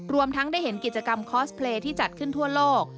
รวมทั้งได้เห็นกิจกรรมคอสเพลย์ที่จัดขึ้นทั่วโลก